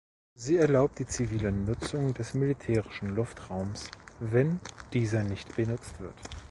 Sie erlaubt die zivile Nutzung des militärischen Luftraums, wenn dieser nicht benutzt wird.